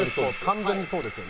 完全にそうですよね。